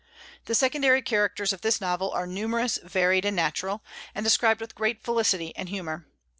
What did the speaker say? The secondary characters of this novel are numerous, varied, and natural, and described with great felicity and humor.